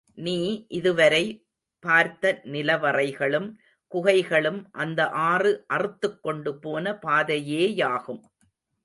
நீ இதுவரை பார்த்த நிலவறைகளும், குகைகளும் அந்த ஆறு அறுத்துக் கொண்டுபோன பாதையேயாகும்.